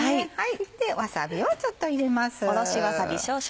でわさびをちょっと入れます。